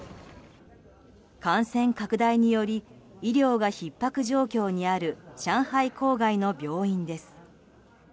感染拡大により医療がひっ迫状況にある上海郊外の病院です。